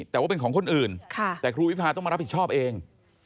แต่ว่าเป็นของคนอื่นแต่ครูวิพาต้องมารับผิดชอบเอง